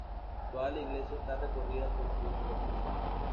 Toda la iglesia está recorrida por una cornisa.